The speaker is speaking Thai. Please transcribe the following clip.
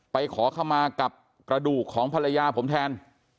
ขอเข้ามากับกระดูกของภรรยาผมแทน